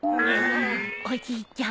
おじいちゃん